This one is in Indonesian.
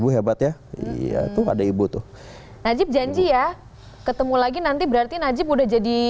hai najib janji ya ketemu lagi nanti berarti najib udah jadi